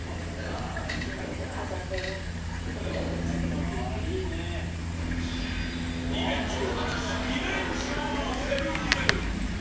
ダメかリベンジを果たし２連勝のセブン−イレブン